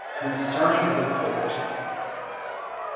concerning the colt. (Aa.